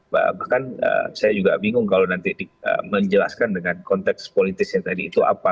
bahkan saya juga bingung kalau nanti menjelaskan dengan konteks politisnya tadi itu apa